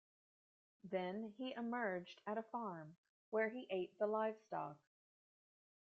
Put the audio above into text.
Then he emerged at a farm, where he ate the livestock.